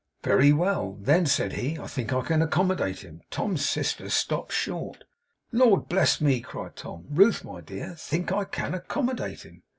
Very well.' "Then," said he, "I think I can accommodate him."' Tom's sister stopped short. 'Lord bless me!' cried Tom. 'Ruth, my dear, "think I can accommodate him."